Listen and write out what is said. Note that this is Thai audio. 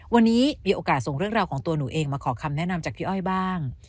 วันนี้มีโอกาสส่งเรื่องราวของตัวหนูเองมาขอคำแนะนำจากพี่อ้อยบ้าง